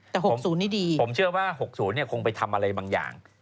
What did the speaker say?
แต่๖๐นี่ดีผมเชื่อว่า๖๐คงไปทำอะไรบางอย่าง